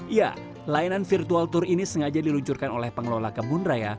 ya layanan virtual tour ini sengaja diluncurkan oleh pengelola kebun raya